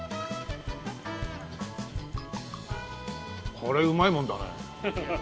これうまいもんだね。